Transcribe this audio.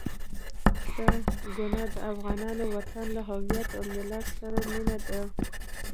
ستا ګناه د افغان وطن له هويت او ملت سره مينه ده.